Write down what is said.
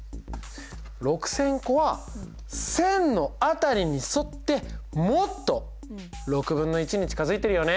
６０００個は「１０００」の辺りに沿ってもっと６分の１に近づいてるよね。